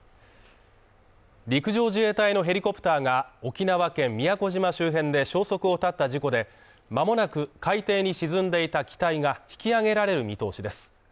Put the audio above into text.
陸上自衛隊のヘリコプターが沖縄県宮古島周辺で消息を絶った事故で、まもなく海底に沈んでいた機体が引き揚げられる見通しです。